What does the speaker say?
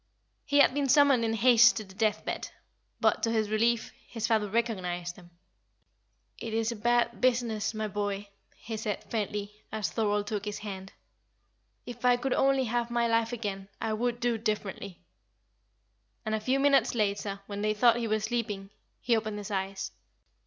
He had been summoned in haste to the death bed; but, to his relief, his father recognised him. "It is a bad business, my boy," he said, faintly, as Thorold took his hand. "If I could only have my life again, I would do differently;" and a few minutes later, when they thought he was sleeping, he opened his eyes.